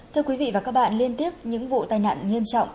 thưa quý vị và các bạn liên tiếp những vụ tai nạn nghiêm trọng